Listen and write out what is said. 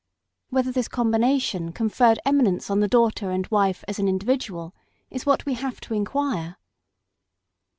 Whether this combination conferred eminence on the daughter and wife as an individual is what we have to enquire.